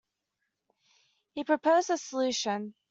He proposed a solution.